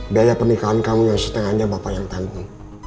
daya pernikahan kamu yang setengahnya bapak yang tangguh